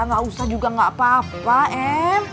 gak usah juga gak apa apa em